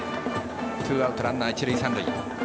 ツーアウトランナー一塁三塁。